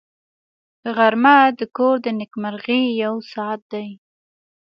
غرمه د کور د نېکمرغۍ یو ساعت دی